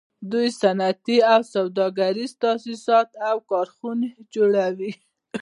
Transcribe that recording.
دوی صنعتي او سوداګریز تاسیسات او کارخانې جوړوي